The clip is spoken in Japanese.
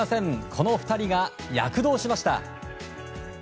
この２人が躍動しました。